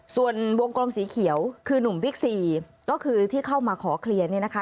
ส่วนวงกลมสีเขียวคือนุ่มบิ๊กซีก็คือที่เข้ามาขอเคลียร์เนี่ยนะคะ